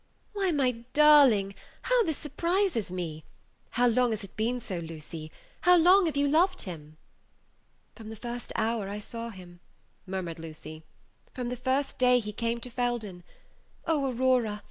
"Why, my darling, how this surprises me! How long has it been so, Lucy? How long have you loved him?" "From the hour I first saw him," murmured Lucy; "from the day he first came to Felden. Oh, Aurora!